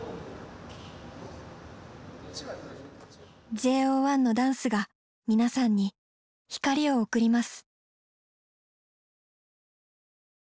ＪＯ１のダンスが皆さんに光を贈ります。